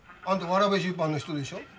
あんたわらべ出版の人でしょ。